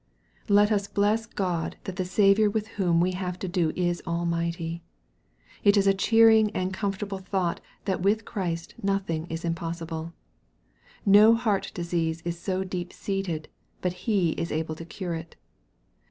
Let us bless God that the Saviour with whom we have to do is almighty. It is a cheering and comfortable thought that with Christ nothing is impossible. No heart disease is so deep seated but He is able to cure it.